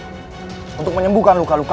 aku harus lakukan pendaftaran di california